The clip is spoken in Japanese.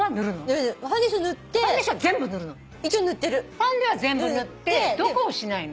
ファンデは全部塗ってどこをしないの？